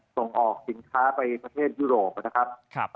ส่งออกสินค้าไปประเทศยุโรปนะครับ